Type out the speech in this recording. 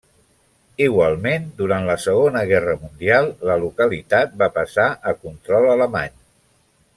Igualment, durant la Segona Guerra Mundial, la localitat va passar a control alemany.